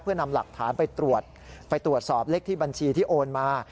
เพื่อนำแหลกฐานไปตรวจสอบเลขบัญชีที่โอนมา